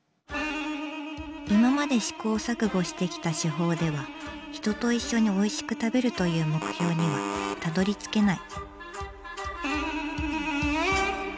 今まで試行錯誤してきた手法では人と一緒においしく食べるという目標にはたどりつけない。